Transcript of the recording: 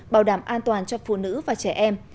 bảo đảm an toàn cho phụ nữ và trẻ em